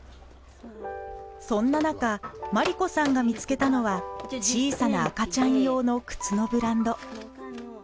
そんななか真理子さんが見つけたのは小さな赤ちゃん用の靴のブランド。